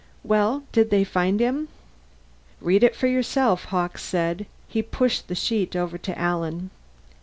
"Well? Did they find him?" "Read it for yourself," Hawkes said. He pushed the sheet over to Alan.